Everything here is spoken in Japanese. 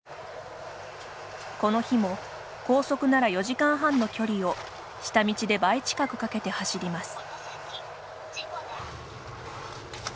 この日も高速なら４時間半の距離を下道で倍近くかけて走ります。